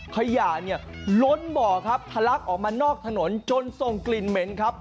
ขยะเนี่ยล้นบ่อครับทะลักออกมานอกถนนจนส่งกลิ่นเหม็นครับ